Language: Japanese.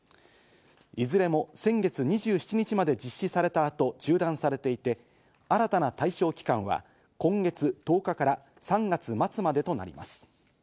いずれも先月２７日まで実施された後、中断されていて新たな対象期間は今月１０日から３月末までとなります。